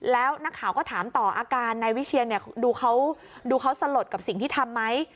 แล้วนักข่าวก็ถามต่ออาการนายวิเชียนเนี่ยดูเขาดูเขาสลดกับสิ่งที่ทำไหม